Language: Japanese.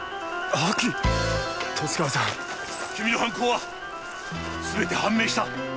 君の犯行は全て判明した。